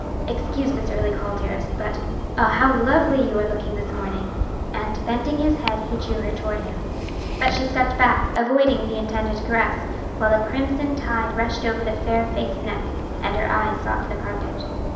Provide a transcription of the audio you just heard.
"Excuse this early call, dearest, but ah, how lovely you are looking this morning!" and bending his head he drew her toward him. But she stepped back, avoiding the intended caress, while a crimson tide rushed over the fair face and neck, and her eyes sought the carpet.